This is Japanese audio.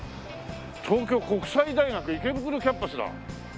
東京国際大学池袋キャンパスだ。